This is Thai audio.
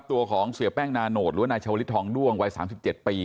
ตัวของเสียแป้งนาโนตหรือว่านายชาวลิศทองด้วงวัย๓๗ปี